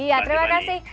iya terima kasih